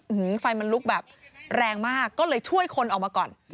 ไฟมันลุกแบบแรงมากก็เลยช่วยคนออกมาก่อน